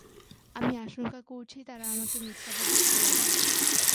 আমি আশংকা করছি, তারা আমাকে মিথ্যাবাদী ঠাওরাবে।